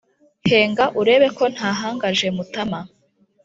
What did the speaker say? henga urebe ko ntahangaje mutama,